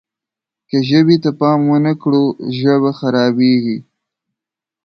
که ژبې ته پام ونه کړو ژبه خرابېږي.